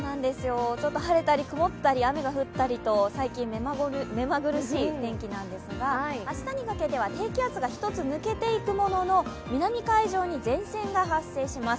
ちょっと晴れたり曇ったり雨が降ったりと最近目まぐるしい天気なんですが、明日にかけては低気圧が１つ、抜けていくものの南海上に前線が発生します。